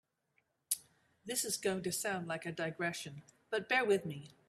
This is going to sound like a digression, but bear with me.